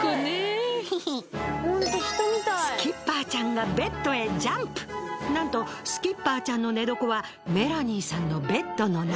スキッパーちゃんがなんとスキッパーちゃんの寝床はメラニーさんのベッドの中。